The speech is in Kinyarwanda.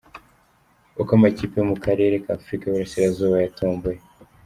Uko amakipe yo mu Karere ka Afurika y’Uburasirazuba yatomboye